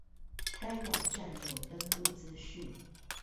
該網站有登入資訊